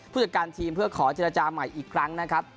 ผู้จัดการทีมเพื่อขอเจรจาใหม่อีกครั้งนะครับ